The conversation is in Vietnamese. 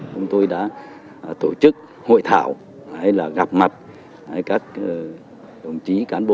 chúng tôi đã tổ chức hội thảo gặp mặt các đồng chí cán bộ